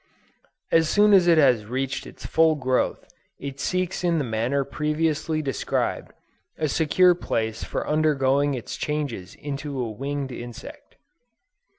As soon as it has reached its full growth, it seeks in the manner previously described, a secure place for undergoing its changes into a winged insect.